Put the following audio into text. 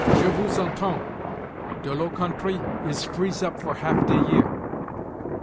"Je vous entends; de low countrie is freeze up for half de year."